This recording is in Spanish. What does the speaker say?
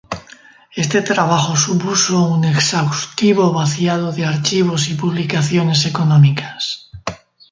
Este trabajo supuso un exhaustivo vaciado de archivos y publicaciones económicas.